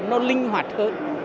nó sẽ linh hoạt hơn